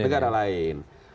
dari negara lain